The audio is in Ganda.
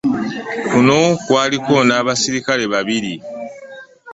Kuno kwaliko n'abaserikale babiri.